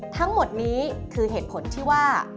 ทั้งหมดนี้คือเหตุผลที่ว่า